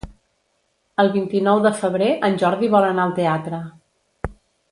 El vint-i-nou de febrer en Jordi vol anar al teatre.